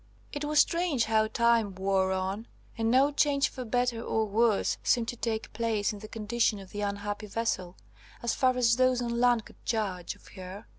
It was strange how time wore on, and no change for better or worse seemed to take place in the condition of the unhappy vessel, as far as those on land could judge of her.